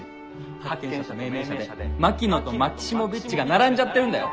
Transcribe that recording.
発見者命名者で「マキノ」と「マキシモヴィッチ」が並んじゃってるんだよ！